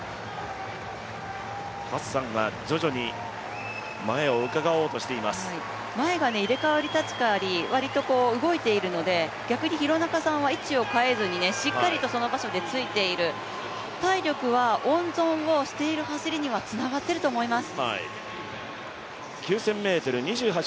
ハッサンが徐々に前が入れ代わり立ち代わり割と動いているので、逆に廣中さんは位置を変えずに、しっかりとその場所でついている、体力は温存をしている走りにはつながっていると思います。